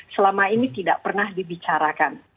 selama ini tidak pernah dibicarakan